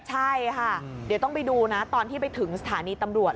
ใช่ค่ะเดี๋ยวต้องไปดูนะตอนที่ไปถึงสถานีตำรวจ